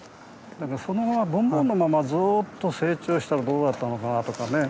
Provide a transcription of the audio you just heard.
そのままボンボンのままずっと成長したらどうだったのかなとかね。